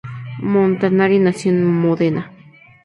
Montanari nació en Módena.